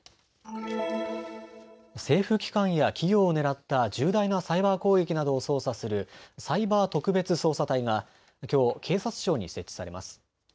政府機関や企業を狙った重大なサイバー攻撃などを捜査するサイバー特別捜査隊がきょう警察庁に設置されます。